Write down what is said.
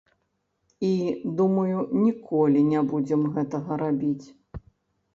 І, думаю, ніколі не будзем гэтага рабіць.